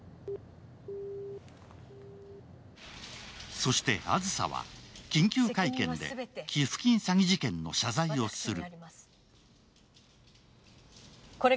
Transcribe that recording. そして梓は緊急会見で寄付金詐欺事件の謝罪をする。